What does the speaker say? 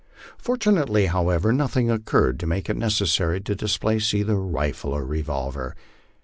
Fortunately, however, nothing occurred to make it nec essary to displace either rifle or revolver.